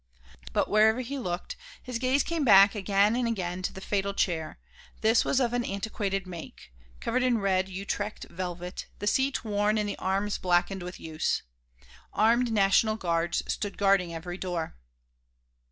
But wherever he looked, his gaze came back again and again to the fatal chair; this was of an antiquated make, covered in red Utrecht velvet, the seat worn and the arms blackened with use. Armed National Guards stood guarding every door.